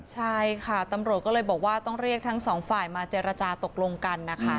ใช่ค่ะตำรวจก็เลยบอกว่าต้องเรียกทั้งสองฝ่ายมาเจรจาตกลงกันนะคะ